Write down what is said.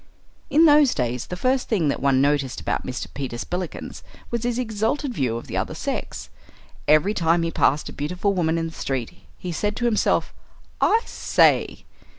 In those days the first thing that one noticed about Mr. Peter Spillikins was his exalted view of the other sex. Every time he passed a beautiful woman in the street he said to himself, "I say!"